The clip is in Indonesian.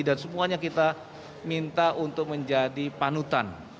dan semuanya kita minta untuk menjadi panutan